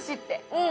うん！